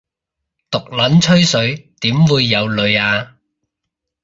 毒撚吹水點會有女吖